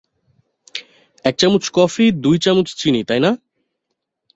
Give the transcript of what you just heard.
এক চামচ কফি, দুই চামচ চিনি, তাই না?